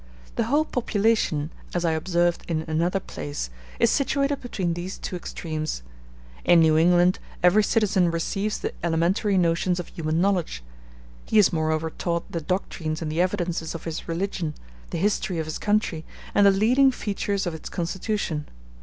The whole population, as I observed in another place, is situated between these two extremes. In New England, every citizen receives the elementary notions of human knowledge; he is moreover taught the doctrines and the evidences of his religion, the history of his country, and the leading features of its Constitution.